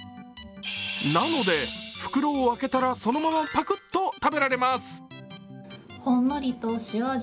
なので、袋を開けたらそのままパクッと食べられます。